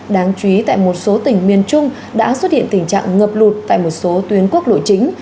đáng chú ý tại một số tỉnh miền trung đã xuất hiện tình trạng ngập lụt tại một số tuyến quốc lộ chính